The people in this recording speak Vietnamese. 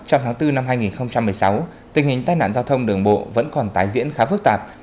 trong tháng bốn năm hai nghìn một mươi sáu tình hình tai nạn giao thông đường bộ vẫn còn tái diễn khá phức tạp